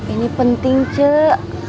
ini penting cek